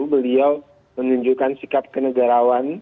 beliau menunjukkan sikap kenegarawan